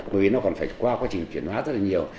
bởi vì nó còn phải qua quá trình chuyển hóa rất là nhiều